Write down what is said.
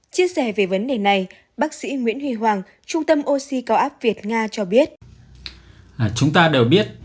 chia sẻ về vấn đề này bác sĩ nguyễn huy hoàng trung tâm oxy cao áp việt nga cho biết